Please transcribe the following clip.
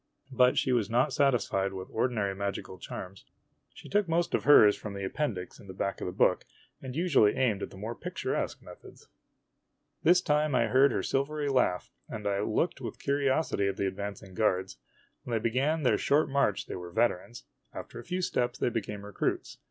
But she was not satisfied with ordinary magical charms. She took most of hers from the Appendix in the back of the book, and usually aimed at the more picturesque methods. 106 IMAGINOTIONS This time I heard her silvery laugh, and I looked with curiosity at the advancing guards. When they began their short march they were veterans. After a few steps they became recruits.